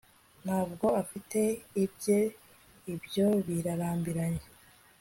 Ntabwo afite ibye ibyo birarambiranye